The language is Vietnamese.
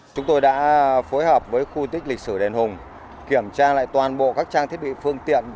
chúng tôi đã phối hợp với khu di tích lịch sử đền hùng kiểm tra lại toàn bộ các trang thiết bị phương tiện